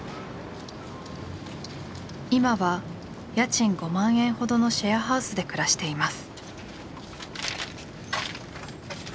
今は家賃５万円ほどのシェアハウスで暮らしています。